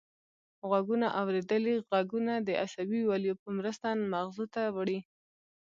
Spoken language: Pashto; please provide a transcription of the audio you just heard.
غوږونه اوریدلي غږونه د عصبي ولیو په مرسته مغزو ته وړي